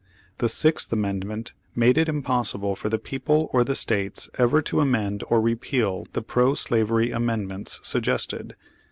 The sixth amendment made it impossible for the people or the States ever to amend or repeal the pro slavery amendments suggested.